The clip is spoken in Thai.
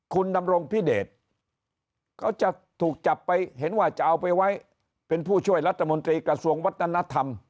คุณดำรงพิเดชเขาจะถูกจับไปเห็นว่าจะเอาไปไว้เป็นผู้ช่วยรัฐมนตรีกระทรวงวัฒนธรรม